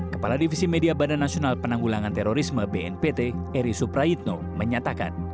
kepala divisi media badan nasional penanggulangan terorisme bnpt eri supraitno menyatakan